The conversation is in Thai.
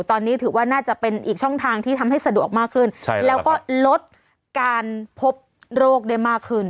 ตอนนี้ถือว่าน่าจะเป็นอีกช่องทางที่ทำให้สะดวกมากขึ้นแล้วก็ลดการพบโรคได้มากขึ้น